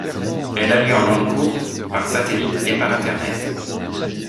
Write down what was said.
Elle a lieu en ondes courtes, par satellite et par Internet.